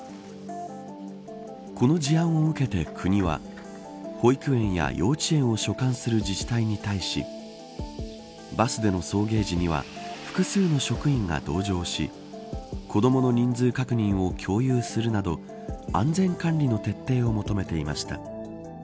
この事案を受けて、国は保育園や幼稚園を所管する自治体に対しバスでの送迎時には複数の職員が同乗し子どもの人数確認を共有するなど安全管理の徹底を求めていました。